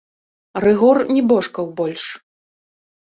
Рыгор не божкаў больш.